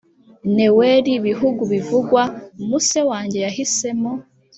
newer bihugu bivugwa muse wanjye yahisemo,